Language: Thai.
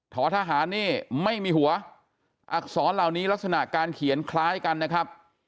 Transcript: ทหารนี่ไม่มีหัวอักษรเหล่านี้ลักษณะการเขียนคล้ายกันนะครับ